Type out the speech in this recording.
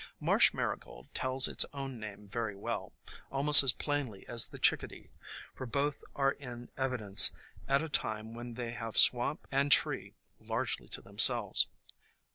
Marsh Marigold tells its own name very well, almost as plainly as the chickadee, for both are in evidence at a time when they have swamp and THE COMING OF SPRING 2Q tree largely to themselves.